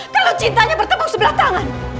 kalau cintanya bertepuk sebelah tangan